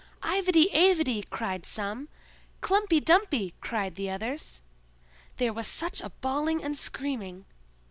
"Ivedy Avedy," cried some; "Klumpy Dumpy," cried the others. There was such a bawling and screaming!